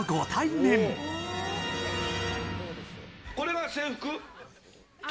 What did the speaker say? これが制服？